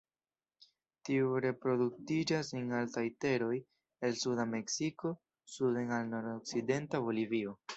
Tiu reproduktiĝas en altaj teroj el suda Meksiko suden al nordokcidenta Bolivio.